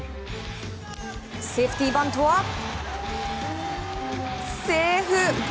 セーフティーバントはセーフ！